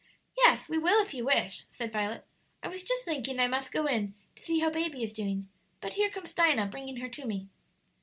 "Yes; we will if you wish," said Violet. "I was just thinking I must go in to see how baby is doing; but here comes Dinah, bringing her to me."